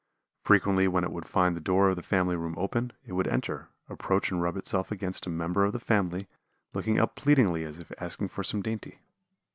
Frequently when it would find the door of the family room open it would enter, approach and rub itself against a member of the family looking up pleadingly as if asking for some dainty.